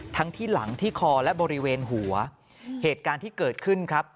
ทั้งที่หลังที่คอและบริเวณหัวเหตุการณ์ที่เกิดขึ้นครับ